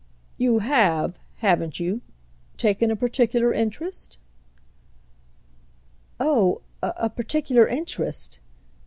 "You have—haven't you?—taken a particular interest?" "Oh a particular interest!"